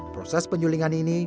proses penyulingan ini